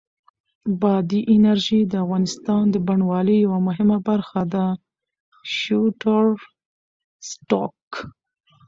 بادي انرژي د افغانستان د بڼوالۍ یوه مهمه برخه ده.Shutterstock